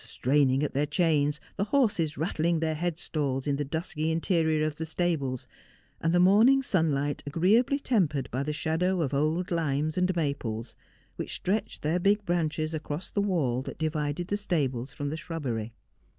straining at their chains, the horses rattling their head stalls in the dusky interior of the stables, and the morning sun light agreeably tempered by the shadow of old limes and maples, which stretched their big branches across the wall that divided the stables from the shrubbery.